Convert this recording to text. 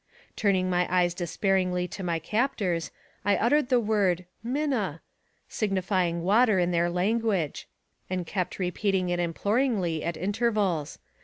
Turning my eyes despairingly to my captors, I uttered the word " Minne," signifying water in their language, and kept repeating it imploringly at inter vals.